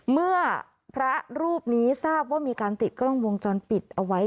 เมื่อพระรูปนี้ทราบว่ามีการติดกล้องวงจรปิดเอาไว้